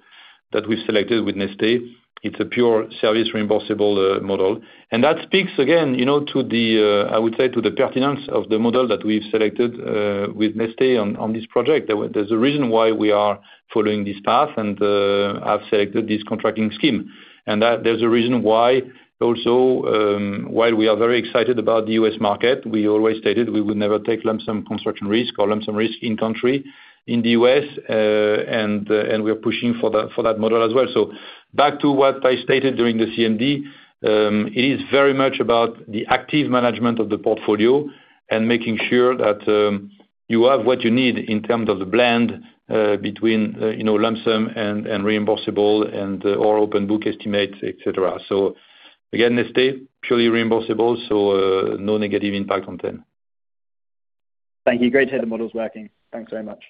selected with Neste. It's a pure service reimbursable model, and that speaks again, I would say, to the pertinence of the model that we've selected with Neste on this project. There's a reason why we are following this path and have selected this contracting scheme, and there's a reason why also, while we are very excited about the US market, we always stated we would never take lump sum construction risk or lump sum risk in-country in the US, and we're pushing for that model as well, so back to what I stated during the CMD, it is very much about the active management of the portfolio and making sure that you have what you need in terms of the blend between lump sum and reimbursable and all open book estimates, etc., so again, Neste, purely reimbursable, so no negative impact on TEN. Thank you. Great to hear the model's working. Thanks very much.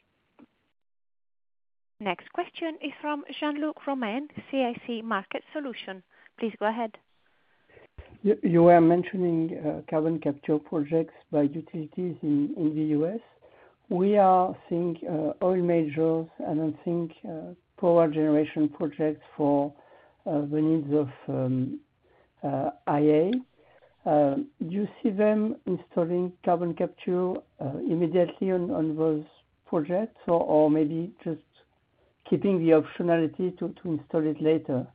Next question is from Jean-Luc Romain, CIC Market Solutions. Please go ahead. You were mentioning carbon capture projects by utilities in the US We are seeing oil majors and I think power generation projects for the needs of AI. Do you see them installing carbon capture immediately on those projects or maybe just keeping the optionality to install it later?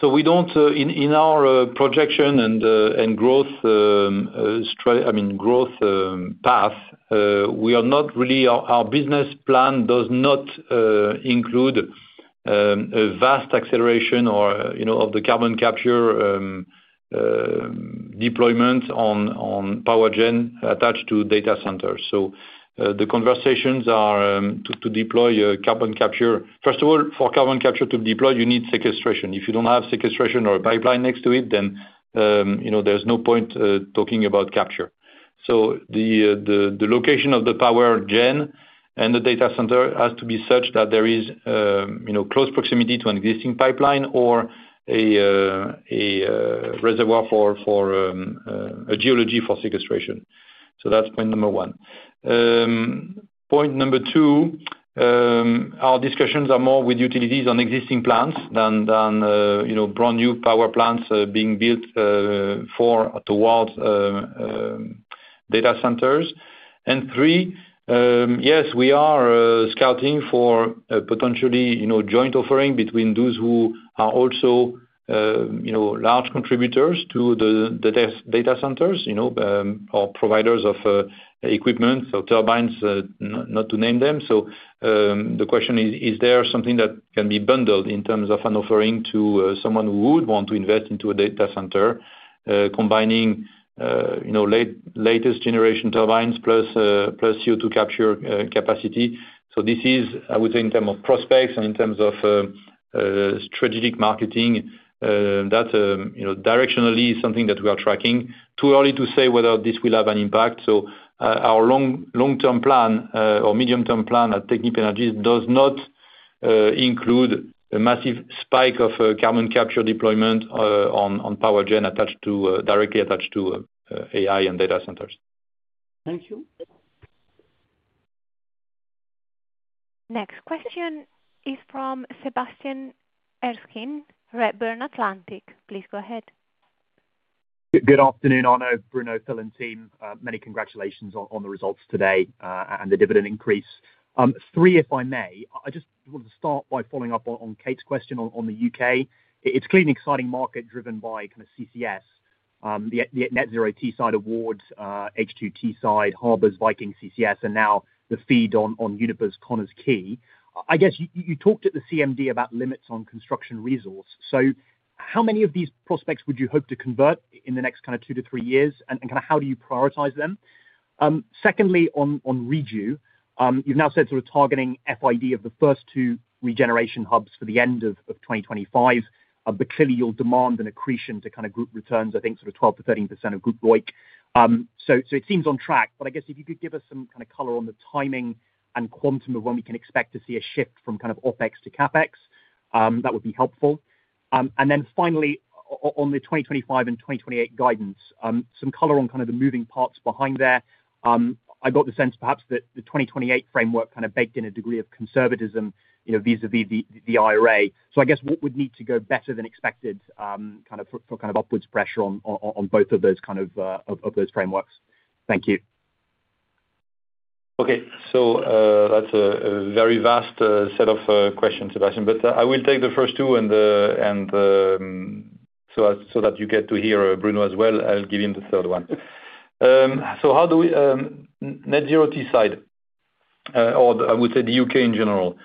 So in our projection and growth, I mean, growth path, we are not really our business plan does not include a vast acceleration of the carbon capture deployment on power gen attached to data centers. So the conversations are to deploy carbon capture. First of all, for carbon capture to be deployed, you need sequestration. If you don't have sequestration or a pipeline next to it, then there's no point talking about capture. So the location of the power gen and the data center has to be such that there is close proximity to an existing pipeline or a reservoir for geology for sequestration. So that's point number one. Point number two, our discussions are more with utilities on existing plants than brand new power plants being built towards data centers. And three, yes, we are scouting for potentially joint offering between those who are also large contributors to the data centers or providers of equipment, so turbines, not to name them. So the question is, is there something that can be bundled in terms of an offering to someone who would want to invest into a data center combining latest generation turbines plus CO2 capture capacity? So this is, I would say, in terms of prospects and in terms of strategic marketing, that directionally is something that we are tracking. Too early to say whether this will have an impact. So our long-term plan or medium-term plan at Technip Energies does not include a massive spike of carbon capture deployment on power gen directly attached to AI and data centers. Thank you. Next question is from Sebastian Erskine, Redburn Atlantic. Please go ahead. Good afternoon, Arnaud, Bruno, Phil and team. Many congratulations on the results today and the dividend increase. Three, if I may, I just wanted to start by following up on Kate's question on the UK. It's clearly an exciting market driven by kind of CCS, the Net Zero Teesside awards, H2Teesside, Harbour's Viking CCS, and now the FID on Uniper Connah’s Quay. I guess you talked at the CMD about limits on construction resource. So how many of these prospects would you hope to convert in the next kind of two to three years, and kind of how do you prioritize them? Secondly, on Reju, you've now said sort of targeting FID of the first two regeneration hubs for the end of 2025, but clearly you'll demand an accretion to kind of group returns, I think sort of 12% to 13% of group ROIC. So it seems on track, but I guess if you could give us some kind of color on the timing and quantum of when we can expect to see a shift from kind of OpEx to CapEx, that would be helpful. And then finally, on the 2025 and 2028 guidance, some color on kind of the moving parts behind there. I got the sense perhaps that the 2028 framework kind of baked in a degree of conservatism vis-à-vis the IRA. So I guess what would need to go better than expected kind of for kind of upwards pressure on both of those kind of frameworks? Thank you. Okay. So that's a very vast set of questions, Sebastian, but I will take the first two, and so that you get to hear Bruno as well, I'll give him the third one. So how do we Net Zero Teesside, or I would say the UK in general,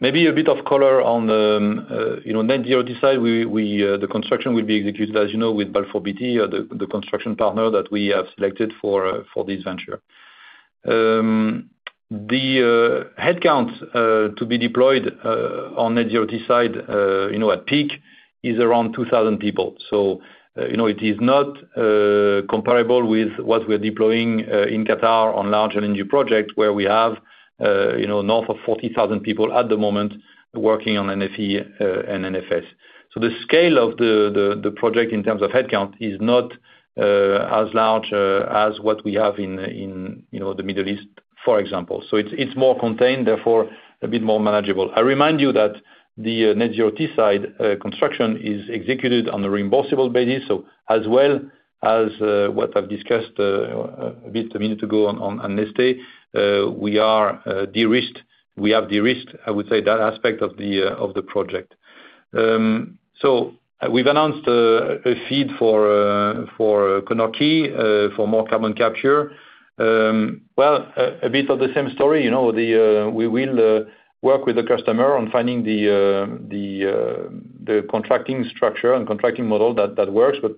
maybe a bit of color on Net Zero Teesside, the construction will be executed, as you know, with Balfour Beatty, the construction partner that we have selected for this venture. The headcount to be deployed on Net Zero Teesside at peak is around 2,000 people. So it is not comparable with what we're deploying in Qatar on large LNG projects where we have north of 40,000 people at the moment working on NFE and NFS. So the scale of the project in terms of headcount is not as large as what we have in the Middle East, for example. So it's more contained, therefore a bit more manageable. I remind you that the Net Zero Teesside construction is executed on a reimbursable basis. So as well as what I've discussed a bit a minute ago on Neste, we have de-risked, I would say, that aspect of the project. So we've announced a FEED for Connah’s Quay for more carbon capture. Well, a bit of the same story. We will work with the customer on finding the contracting structure and contracting model that works, but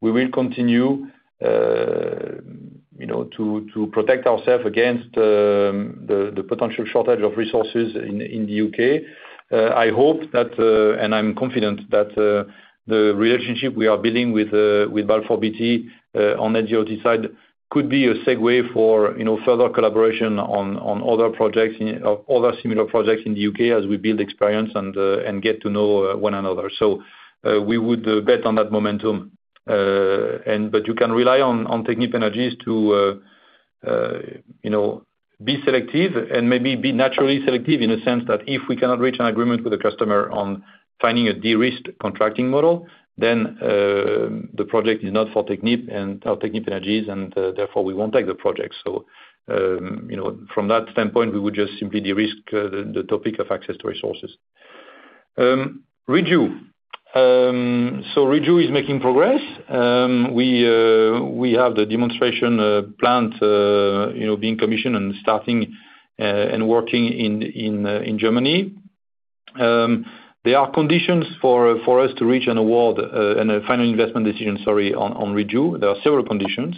we will continue to protect ourselves against the potential shortage of resources in the UK. I hope that, and I'm confident that the relationship we are building with Balfour Beatty on Net Zero Teesside could be a segue for further collaboration on other projects, other similar projects in the UK as we build experience and get to know one another. So we would bet on that momentum. But you can rely on Technip Energies to be selective and maybe be naturally selective in the sense that if we cannot reach an agreement with the customer on finding a de-risked contracting model, then the project is not for Technip Energies, and therefore we won't take the project. So from that standpoint, we would just simply de-risk the topic of access to resources. So Reju is making progress. We have the demonstration plant being commissioned and starting and working in Germany. There are conditions for us to reach an award and a final investment decision, sorry, on Reju. There are several conditions.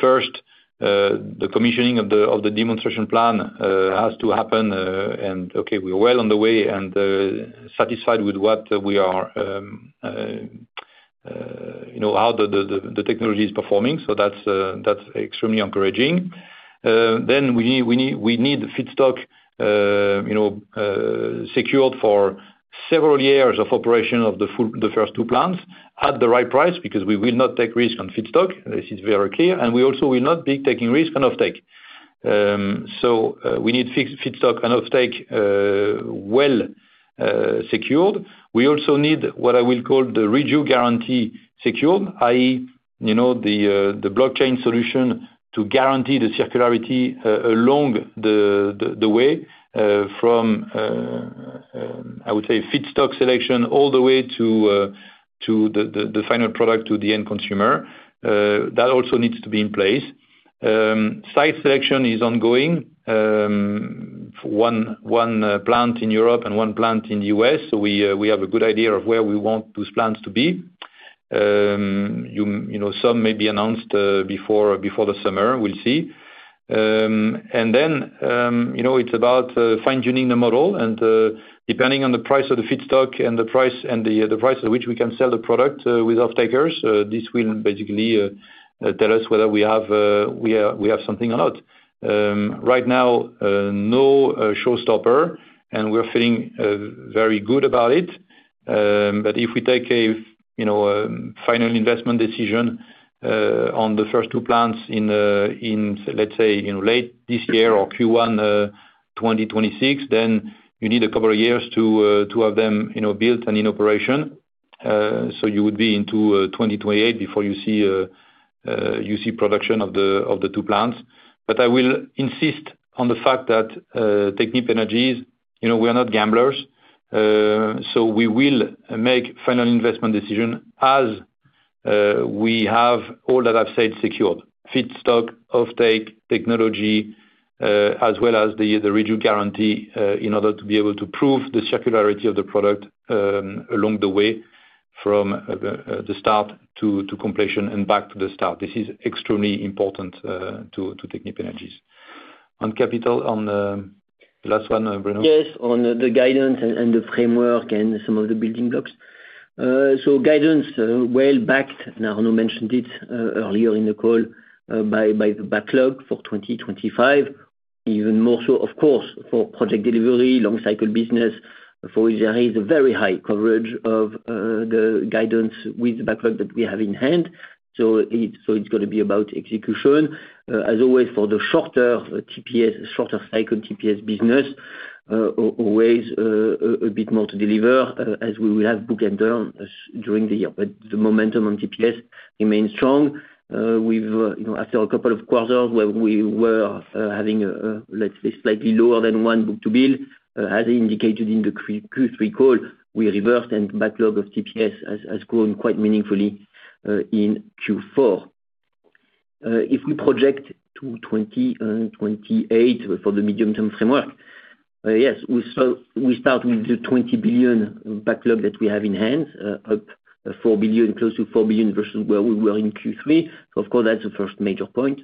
First, the commissioning of the demonstration plant has to happen, and okay, we are well on the way and satisfied with how the technology is performing. So that's extremely encouraging. Then we need feedstock secured for several years of operation of the first two plants at the right price because we will not take risk on feedstock. This is very clear. And we also will not be taking risk on offtake. So we need feedstock and offtake well secured. We also need what I will call the Reju Guarantee Secured, i.e., the blockchain solution to guarantee the circularity along the way from, I would say, feedstock selection all the way to the final product to the end consumer. That also needs to be in place. Site selection is ongoing. One plant in Europe and one plant in the US So we have a good idea of where we want those plants to be. Some may be announced before the summer. We'll see. And then it's about fine-tuning the model. And depending on the price of the feedstock and the price at which we can sell the product with offtakers, this will basically tell us whether we have something or not. Right now, no showstopper, and we're feeling very good about it. But if we take a final investment decision on the first two plants in, let's say, late this year or Q1 2026, then you need a couple of years to have them built and in operation. So you would be into 2028 before you see production of the two plants. But I will insist on the fact that Technip Energies, we are not gamblers. So we will make final investment decision as we have all that I've said secured: feedstock, offtake, technology, as well as the Reju Guarantee in order to be able to prove the circularity of the product along the way from the start to completion and back to the start. This is extremely important to Technip Energies. On capital, on the last one, Bruno? Yes, on the guidance and the framework and some of the building blocks. So, guidance, well backed, and Arnaud mentioned it earlier in the call, by the backlog for 2025, even more so, of course, for Project Delivery, long-cycle business, for which there is a very high coverage of the guidance with the backlog that we have in hand. So it's going to be about execution. As always, for the shorter cycle TPS business, always a bit more to deliver as we will have book-and-turn during the year. But the momentum on TPS remains strong. After a couple of quarters where we were having, let's say, slightly lower than one book-to-bill, as indicated in the Q3 call, we reversed and backlog of TPS has grown quite meaningfully in Q4. If we project to 2028 for the medium-term framework, yes, we start with the Euro 20 billion backlog that we have in hand, up close to Euro 4 billion versus where we were in Q3. Of course, that's the first major point.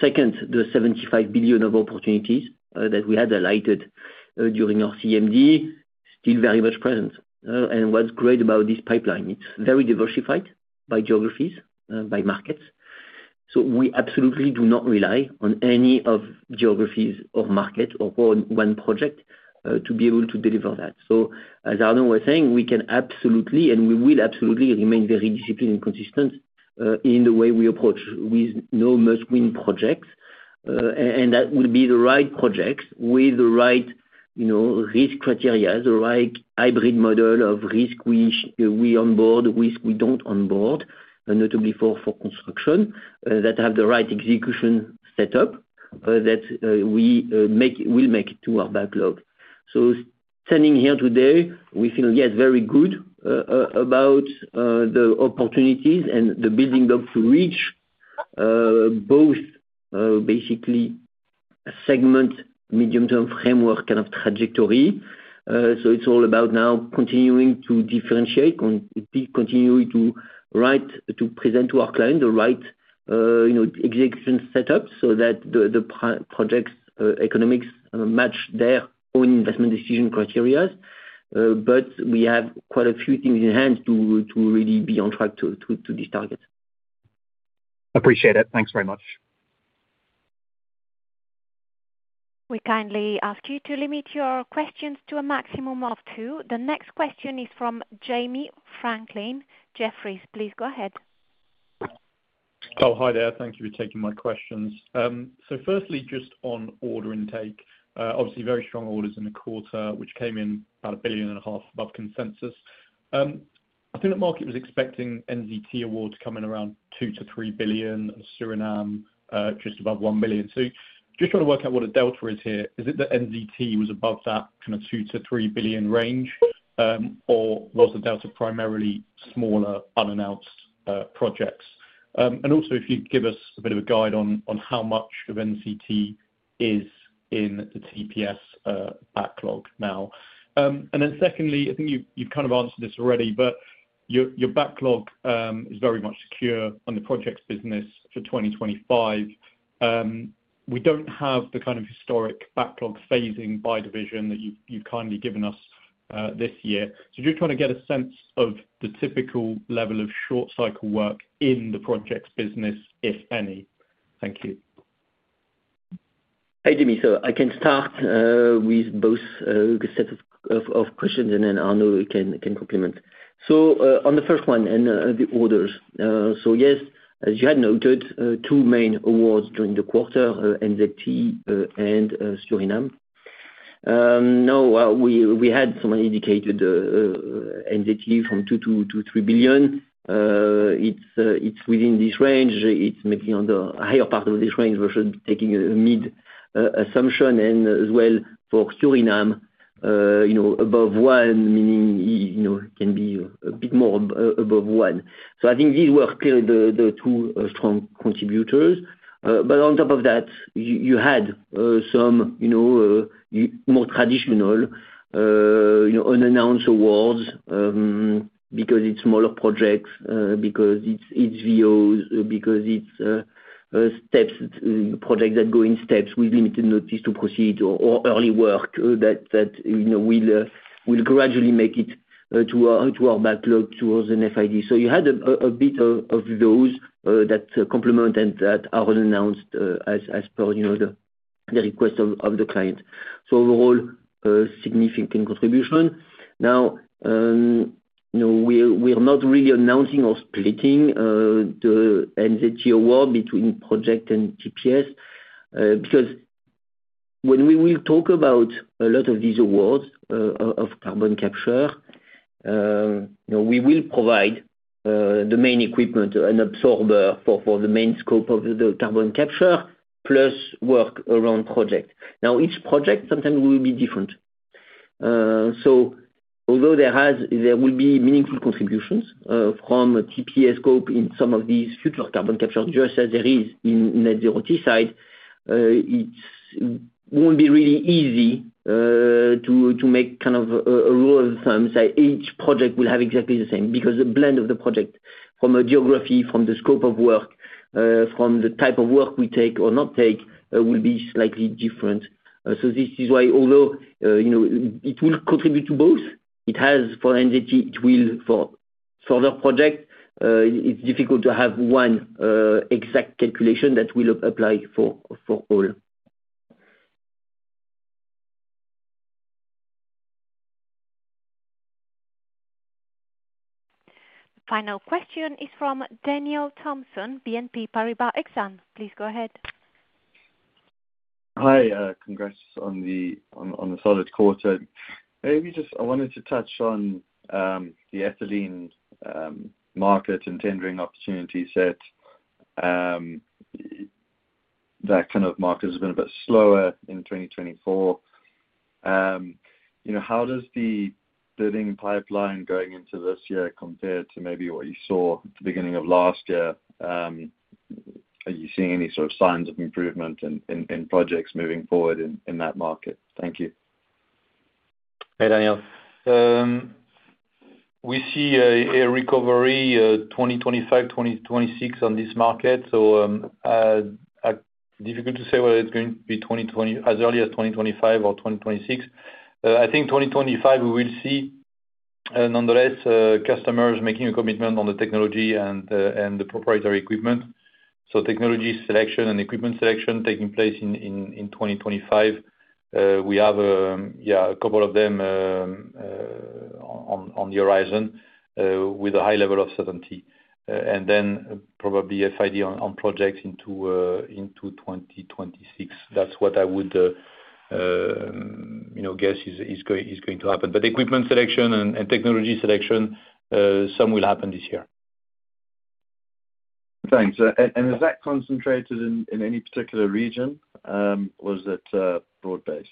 Second, the Euro 75 billion of opportunities that we had alighted during our CMD, still very much present. And what's great about this pipeline, it's very diversified by geographies, by markets. So we absolutely do not rely on any of geographies or markets or one project to be able to deliver that. So as Arnaud was saying, we can absolutely, and we will absolutely remain very disciplined and consistent in the way we approach with no must-win projects. And that will be the right projects with the right risk criteria, the right hybrid model of risk we onboard, risk we don't onboard, notably for construction, that have the right execution setup that we will make to our backlog. So standing here today, we feel, yes, very good about the opportunities and the building blocks to reach both basically segment, medium-term framework, kind of trajectory. So it's all about now continuing to differentiate, continuing to present to our client the right execution setup so that the project's economics match their own investment decision criteria. But we have quite a few things in hand to really be on track to these targets. Appreciate it. Thanks very much. We kindly ask you to limit your questions to a maximum of two. The next question is from Jamie Franklin. Jefferies, please go ahead. Oh, hi there. Thank you for taking my questions. Firstly, just on order intake, obviously very strong orders in the quarter, which came in about Euro 1.5 billion above consensus. I think the market was expecting NZT award to come in around Euro 2 to 3 billion and Suriname just above Euro 1 billion. Just trying to work out what a delta is here. Is it that NZT was above that kind of Euro 2 - 3 billion range, or was the delta primarily smaller unannounced projects? And also, if you could give us a bit of a guide on how much of NZT is in the TPS backlog now. And then secondly, I think you've kind of answered this already, but your backlog is very much secure on the projects business for 2025. We don't have the kind of historic backlog phasing by division that you've kindly given us this year. So, just trying to get a sense of the typical level of short-cycle work in the projects business, if any. Thank you. Hey, Jamie. So, I can start with both sets of questions, and then Arnaud can complement. So, on the first one and the orders. So, yes, as you had noted, two main awards during the quarter, NZT and Suriname. Now, we had someone indicated NZT from Euro 2-€3 billion. It's within this range. It's maybe on the higher part of this range versus taking a mid assumption. And as well for Suriname, above Euro 1 billion, meaning it can be a bit more above Euro 1 billion. So, I think these were clearly the two strong contributors. But on top of that, you had some more traditional unannounced awards because it's smaller projects, because it's VOs, because it's projects that go in steps with limited notice to proceed or early work that will gradually make it to our backlog towards FID. So you had a bit of those that complement and that are unannounced as per the request of the client. So overall, significant contribution. Now, we're not really announcing or splitting the NZT award between project and TPS because when we will talk about a lot of these awards of carbon capture, we will provide the main equipment, an absorber for the main scope of the carbon capture, plus work around project. Now, each project sometimes will be different. So although there will be meaningful contributions from TPS scope in some of these future carbon capture just as there is in Net Zero Teesside, it won't be really easy to make kind of a rule of thumb. Each project will have exactly the same because the blend of the project from a geography, from the scope of work, from the type of work we take or not take will be slightly different. So this is why, although it will contribute to both, it has for NZT, it will for further projects. It's difficult to have one exact calculation that will apply for all. Final question is from Daniel Thomson, BNP Paribas Exane. Please go ahead. Hi. Congrats on the solid quarter. Maybe just I wanted to touch on the ethylene market and tendering opportunity set. That kind of market has been a bit slower in 2024. How does the building pipeline going into this year compare to maybe what you saw at the beginning of last year? Are you seeing any sort of signs of improvement in projects moving forward in that market? Thank you. Hey, Daniel. We see a recovery 2025, 2026 on this market. So difficult to say whether it's going to be as early as 2025 or 2026. I think 2025, we will see nonetheless customers making a commitment on the technology and the proprietary equipment. So technology selection and equipment selection taking place in 2025. We have a couple of them on the horizon with a high level of certainty. And then probably FID on projects into 2026. That's what I would guess is going to happen. But equipment selection and technology selection, some will happen this year. Thanks. And is that concentrated in any particular region, or is it broad-based?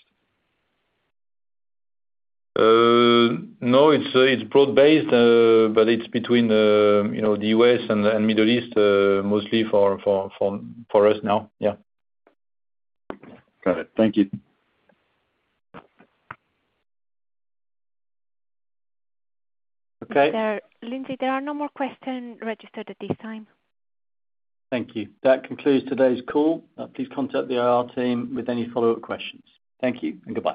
No, it's broad-based, but it's between the US and Middle East, mostly for us now. Yeah. Got it. Thank you. Okay. Lindsay, there are no more questions registered at this time. Thank you. That concludes today's call. Please contact the IR team with any follow-up questions. Thank you. And goodbye.